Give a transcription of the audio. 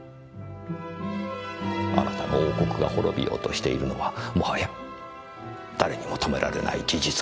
あなたの王国が滅びようとしているのはもはや誰にも止められない事実かもしれません。